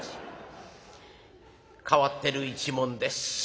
変わってる一門です。